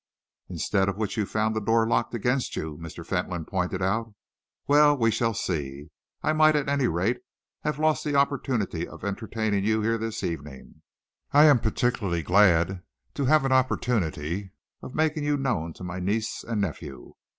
"Instead of which you found the door locked against you," Mr. Fentolin pointed out. "Well, we shall see. I might, at any rate, have lost the opportunity of entertaining you here this evening. I am particularly glad to have an opportunity of making you known to my niece and nephew.